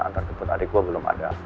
antara kebut adik gue belum ada